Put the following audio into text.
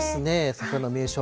桜の名所。